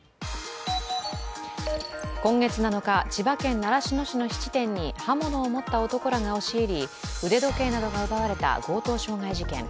今月７日、千葉県習志野市の質店に刃物を持った男らが押し入り腕時計などが奪われた強盗傷害事件。